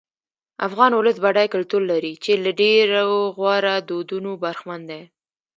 افغان ولس بډای کلتور لري چې له ډېرو غوره دودونو برخمن دی.